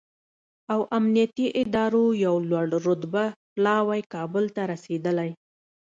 او امنیتي ادارو یو لوړ رتبه پلاوی کابل ته رسېدلی